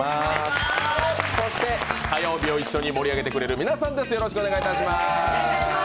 そして火曜日を一緒に盛り上げてくれる皆さんです。